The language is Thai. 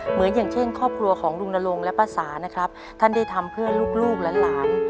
เหมือนอย่างเช่นครอบครัวของลุงนลงและป้าสานะครับท่านได้ทำเพื่อนลูกลูกและหลาน